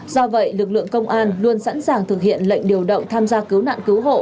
do vậy lực lượng công an luôn sẵn sàng thực hiện lệnh điều động tham gia cứu nạn cứu hộ